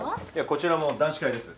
こちらも男子会です。